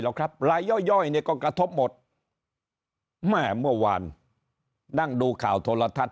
หรอกครับรายย่อยก็กระทบหมดแม่เมื่อวานนั่งดูข่าวโทรธัส